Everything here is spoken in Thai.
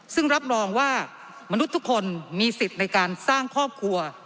ซึ่งรับรองว่ามนุษย์ทุกคนมีสิทธิ์ในการสร้างครอบครัว